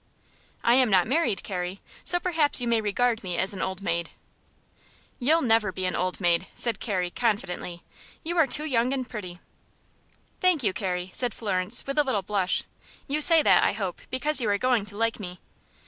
"I am not married, Carrie, so perhaps you may regard me as an old maid." "You'll never be an old maid," said Carrie, confidently. "You are too young and pretty." "Thank you, Carrie," said Florence, with a little blush. "You say that, I hope, because you are going to like me."